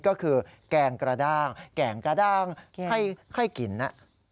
ก็คือแกงกระด้างแกงกระด้างค่อยกินนะ